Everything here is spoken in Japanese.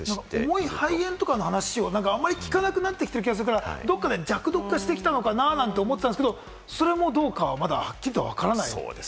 重い肺炎の話とかは聞かなくなってる気がするから、どこかで弱毒化してきたのかななんて思ったりするけれども、それもどうかはまだはっきりわからない。